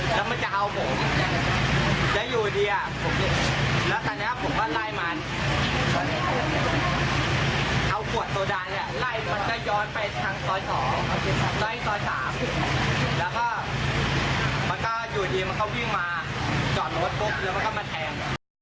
แล้วก็มันก็อยู่ทีมันเข้าวิ่งมาจอดรถโป๊ะเครื่องมันก็มาแทง